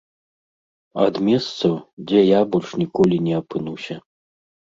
Ад месцаў, дзе я больш ніколі не апынуся.